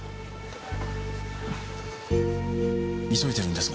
急いでるんですが。